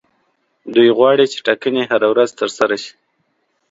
دوی غواړي چې ټاکنې هره ورځ ترسره شي.